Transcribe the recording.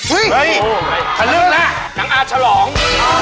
อุ๊ยค่ะแล้วอะไรมั้ยหนังอาชลอง